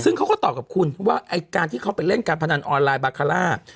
ซึ่งเขาก็ตอบกับคุณว่าไอ้การที่เขาไปเล่นการพนันออนไลน์บาคาร่า